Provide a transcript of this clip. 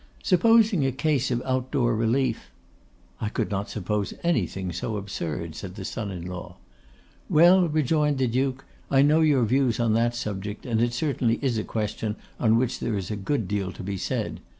Supposing a case of out door relief ' 'I could not suppose anything so absurd,' said the son in law. 'Well,' rejoined the Duke, 'I know your views on that subject, and it certainly is a question on which there is a good deal to be said.